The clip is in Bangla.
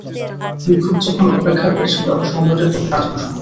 ভিক্ষুক যখন অপেক্ষা করছিল, সম্রাটের তখন প্রার্থনার সময়।